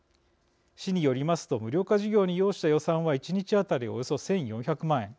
市によりますと無料化事業に要した予算は１日当たりおよそ１，４００万円。